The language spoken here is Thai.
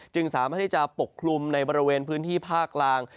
สามารถที่จะปกคลุมในบริเวณพื้นที่ภาคกลาง